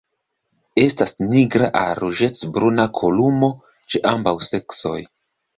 Estas nigra al ruĝecbruna kolumo ĉe ambaŭ seksoj.